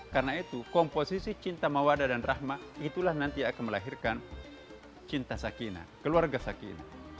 karena itu komposisi cinta mawadah dan rahmah itulah nanti akan melahirkan cinta sakinah keluarga sakinah